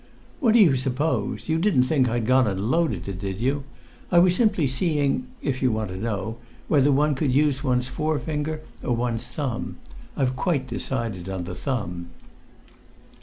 "What do you suppose? You didn't think I'd gone and loaded it, did you? I was simply seeing if you want to know whether one would use one's forefinger or one's thumb. I've quite decided on the thumb."